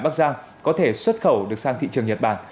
bắc giang có thể xuất khẩu được sang thị trường nhật bản